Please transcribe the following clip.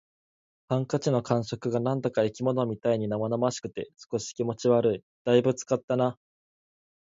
ハンカチの感触が何だか生き物みたいに生々しくて、少し気持ち悪い。「大分使ったな」